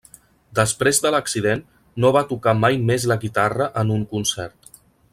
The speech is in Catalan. Després de l'accident no va tocar mai més la guitarra en un concert.